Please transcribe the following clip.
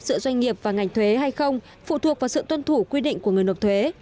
giữa doanh nghiệp và ngành thuế hay không phụ thuộc vào sự tuân thủ quy định của người nộp thuế